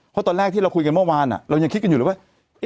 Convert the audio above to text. เพราะตอนแรกที่เราคุยกันเมื่อวานเรายังคิดกันอยู่เลยว่า